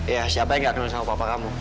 ya siapa yang gak kenal sama papa kamu